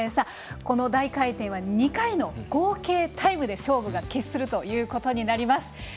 この大回転は２回の合計タイムで勝負が決するということになります。